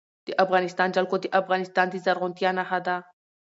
د افغانستان جلکو د افغانستان د زرغونتیا نښه ده.